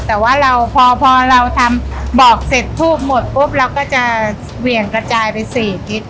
แต่ว่าเราพอเราทำบอกเสร็จทูบหมดปุ๊บเราก็จะเหวี่ยงกระจายไป๔ทิศ